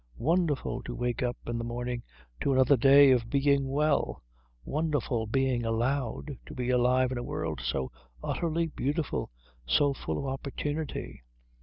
Wonderful to wake up in the morning to another day of being well. Wonderful being allowed to be alive in a world so utterly beautiful, so full of opportunity.